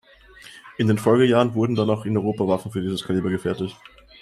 In den Folgejahren wurden dann auch in Europa Waffen für dieses Kaliber gefertigt.